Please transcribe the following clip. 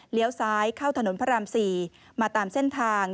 ซ้ายเข้าถนนพระราม๔มาตามเส้นทาง